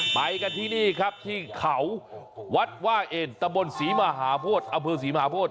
ไปกันที่นี่ครับที่เขาวัดว่าเอ็นตะบนศรีมหาโพธิอำเภอศรีมหาโพธิ